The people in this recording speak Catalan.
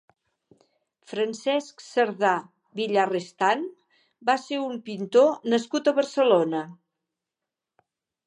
Francesc Cerdá Villarestán va ser un pintor nascut a Barcelona.